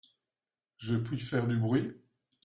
Je puis faire du bruit ?